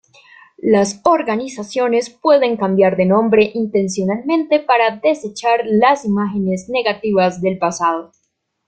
Las organizaciones pueden cambiar de nombre intencionalmente para desechar las imágenes negativas del pasado.